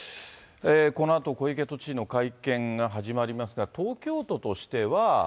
このあと小池都知事の会見が始まりますが、東京都としては。